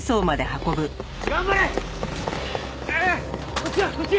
こっちやこっち。